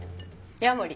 ヤモリ。